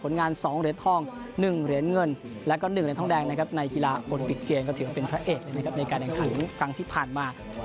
ก็เป็นของเทวินหาเมื่อปีนี้นะครับ